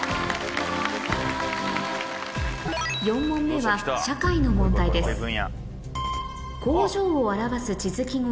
４問目はの問題です